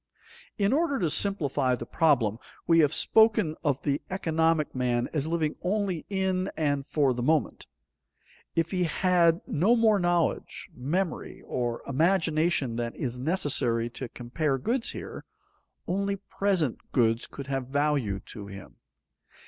_ In order to simplify the problem, we have spoken of the economic man as living only in and for the moment. If he had no more knowledge, memory, or imagination than is necessary to compare goods here, only present goods could have value to him.